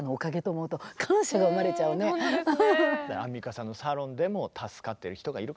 アンミカさんのサロンでも助かってる人がいるかもしれない。